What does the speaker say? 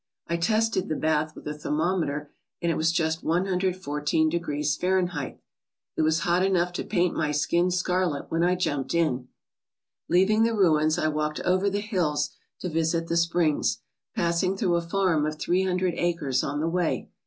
I tested the bath with a thermometer and it was just 1 14 degrees Fahrenheit. It was hot enough to paint my skin scarlet when I jumped in. Leaving the ruins, I walked over the hills to visit the springs, passing through a farm of three hundred acres on the way.